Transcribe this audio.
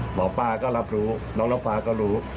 หมอปลาก็รับรู้น้องน้ำฟ้าก็รู้